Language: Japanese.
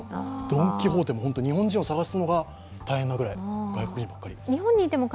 ドン・キホーテも日本人を探すのが大変なぐらい外国人がいっぱい。